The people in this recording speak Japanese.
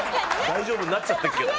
大丈夫になっちゃってるけど。